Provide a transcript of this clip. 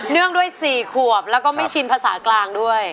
งด้วย๔ขวบแล้วก็ไม่ชินภาษากลางด้วย